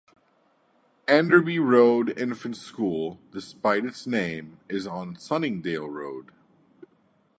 Enderby Road Infants School, despite its name, is on Sunningdale Road.